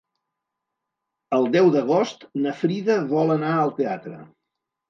El deu d'agost na Frida vol anar al teatre.